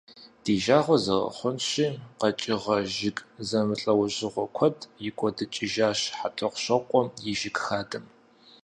Ди жагъуэ зэрыхъунщи, къэкӀыгъэ, жыг зэмылӀэужьыгъуэ куэд икӀуэдыкӀыжащ ХьэтӀохъущокъуэм и жыг хадэм.